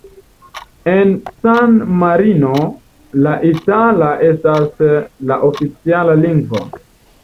En San-Marino la itala estas la oficiala lingvo.